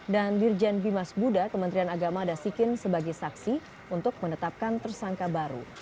dan dirjen bimas buddha kementerian agama dasikin sebagai saksi untuk menetapkan tersangka baru